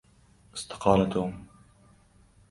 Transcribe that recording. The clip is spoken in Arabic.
استقال توم